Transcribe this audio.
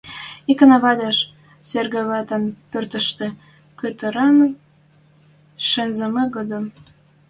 Икӓнӓ вадеш, Серге вӓтӹн пӧртӹштӹ кытырен шӹнзӹмӹ годым